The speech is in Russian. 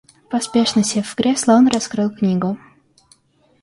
Поспешно сев в кресло, он раскрыл книгу.